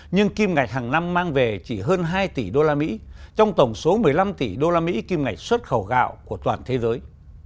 nhưng kim ngạch hàng năm mang về chỉ hơn hai tỷ usd trong tổng số một mươi năm tỷ usd kim ngạch xuất khẩu gạo của toàn thế giới